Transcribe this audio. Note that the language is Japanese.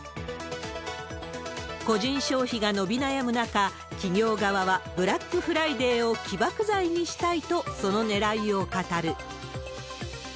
個人消費が伸び悩む中、企業側はブラックフライデーを起爆剤にしたいと、そのねらいを語る。